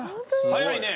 早いね。